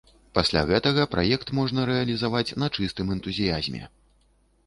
Пасля гэтага праект можна рэалізаваць на чыстым энтузіязме.